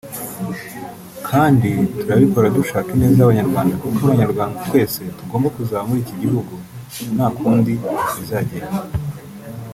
kandi turabikora dushaka ineza y’Abanyarwanda kuko Abanyarwanda twese tugomba kuzaba muri iki gihugu nta kundi bizagenda”